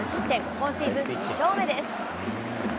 今シーズン２勝目です。